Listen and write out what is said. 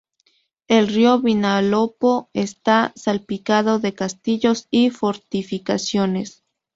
El río Vinalopó está salpicado de castillos y fortificaciones.